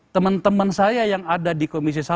teman teman saya yang ada di komisi satu